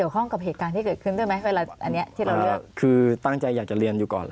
คือตั้งใจอยากจะเรียนอยู่ก่อน